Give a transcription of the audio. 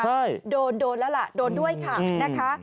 ใช่โดนโดนแล้วล่ะโดนด้วยค่ะนะคะ